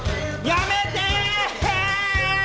やめて！